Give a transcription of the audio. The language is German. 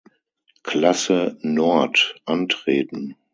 Klasse Nord antreten.